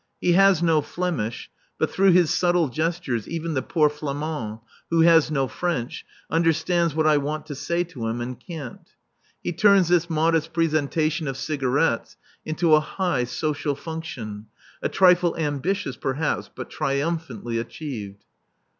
He has no Flemish, but through his subtle gestures even the poor Flamand, who has no French, understands what I want to say to him and can't. He turns this modest presentation of cigarettes into a high social function, a trifle ambitious, perhaps, but triumphantly achieved.